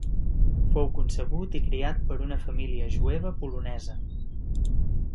Fou concebut i criat per una família jueva polonesa.